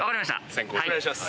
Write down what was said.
先攻お願いします。